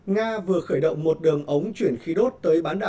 nga vừa khởi động một đường ống chuyển khí đốt tới bán đảo